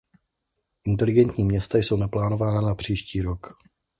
Inteligentní města jsou naplánována na příští rok.